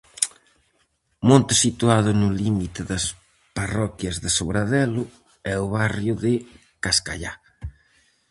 Monte situado no límite das parroquias de Sobradelo e O Barrio de Cascallá.